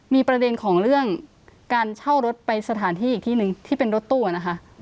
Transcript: มีประเด็นของเรื่องการเช่ารถไปสถานที่อีกที่หนึ่งที่เป็นรถตู้นะคะ